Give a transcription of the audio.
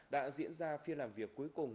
đã diễn ra phiên làm việc cuối cùng